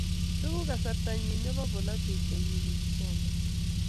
beku kasartanyin nebo bolatet kenyini disemba.